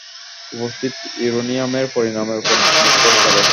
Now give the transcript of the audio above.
উপস্থিত ইউরেনিয়ামের পরিমাণের উপর নির্ভর করে।